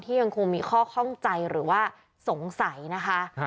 ยังคงมีข้อข้องใจหรือว่าสงสัยนะคะ